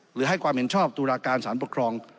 หรือให้ความเห็นชอบตุลาการสารปกครอง